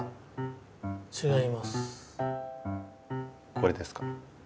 これですか？